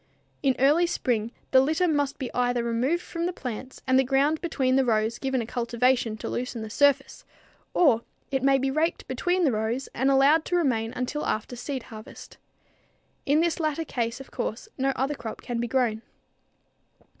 In early spring the litter must be either removed from the plants and the ground between the rows given a cultivation to loosen the surface, or it may be raked between the rows and allowed to remain until after seed harvest. In this latter case, of course, no other crop can be grown.